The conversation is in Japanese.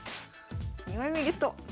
２枚目ゲット！